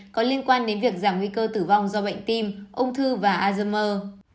có liên quan đến việc giảm nguy cơ tử vong do bệnh tim ung thư và azermer